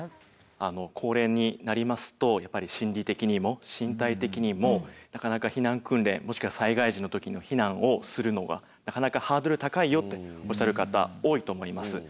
高齢になりますとやっぱり心理的にも身体的にもなかなか避難訓練もしくは災害時の時の避難をするのがなかなかハードル高いよっておっしゃる方多いと思います。